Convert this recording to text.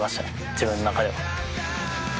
自分の中では。